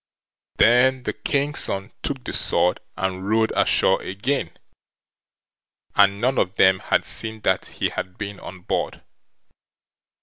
Then the king's son took the sword and rowed ashore again, and none of them had seen that he had been on board.